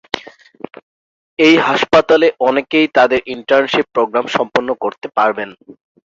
এই হাসপাতালে অনেকেই তাদের ইন্টার্নশিপ প্রোগ্রাম সম্পন্ন করতে পারবেন।